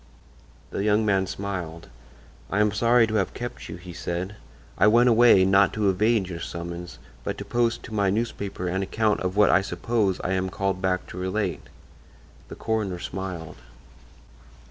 The young man smiled. "I am sorry to have kept you," he said. "I went away, not to evade your summons, but to post to my newspaper an account of what I suppose I am called back to relate." The coroner smiled.